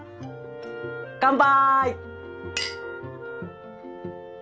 乾杯！